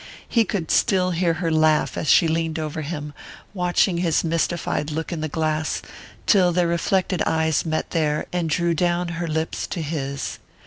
He could still hear her laugh as she leaned over him, watching his mystified look in the glass, till their reflected eyes met there and drew down her lips to his.